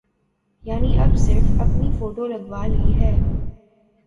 یعنی اب صرف اپنی فوٹو لگوا لی ہے۔